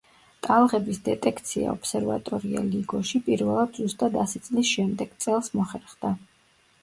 ტალღების დეტექცია ობსერვატორია „ლიგოში“, პირველად ზუსტად ასი წლის შემდეგ, წელს მოხერხდა.